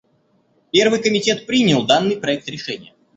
Первый комитет принял данный проект решения.